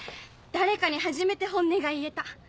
誰かに初めて本音が言えた。